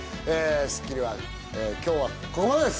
『スッキリ』は今日はここまでです！